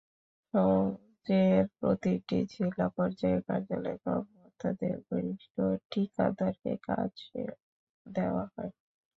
সওজের প্রতিটি জেলা পর্যায়ের কার্যালয়ের কর্মকর্তাদের ঘনিষ্ঠ ঠিকাদারকে কাজ দেওয়া হয়।